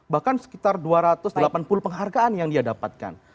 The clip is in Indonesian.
bahkan sekitar dua ratus delapan puluh penghargaan yang dia dapatkan